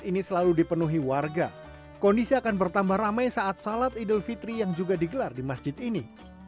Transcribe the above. masjid ini selalu dipenuhi warga kondisi akan bertambah ramai saat sholat idul fitri yang juga digelar di masjid ini